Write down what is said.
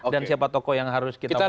dan siapa toko yang harus kita melakukan